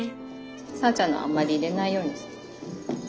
さぁちゃんのあんまり入れないようにする。